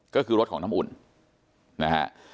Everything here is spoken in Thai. ก็คือรถของน้ำอุ่นนะฮะ